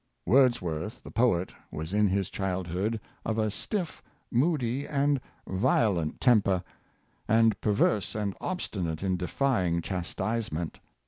Wordsworth, the poet, was in his childhood ^' of a stiff, moody and violent temper,'' and " perverse and obstinate in defying chastisement."